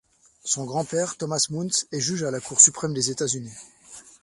Son grand-père, Thomas Muntz, est juge à la Cour suprême des États-Unis.